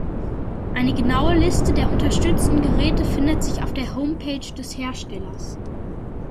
Eine genaue Liste der unterstützten Geräte findet sich auf der Homepage des Herstellers.